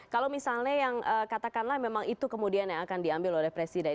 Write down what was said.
kalau misalnya yang katakanlah memang itu kemudian yang akan diambil oleh presiden